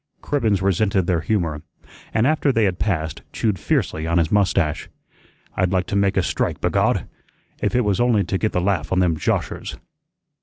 Cribbens resented their humor, and after they had passed, chewed fiercely on his mustache. "I'd like to make a strike, b'God! if it was only to get the laugh on them joshers."